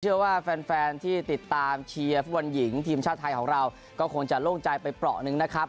เชื่อว่าแฟนที่ติดตามเชียร์ฟุตบอลหญิงทีมชาติไทยของเราก็คงจะโล่งใจไปเปราะหนึ่งนะครับ